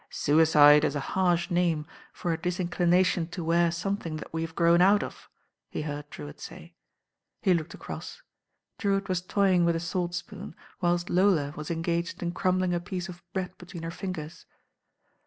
"Suicide is a harsh name for a disinclination to wear something that we have grown out of," he heard Drewitt say. He looked across. Drewitt was toying with a saltspoon, whilst Lola was engaged in crumbling a piece of bread between her fingers.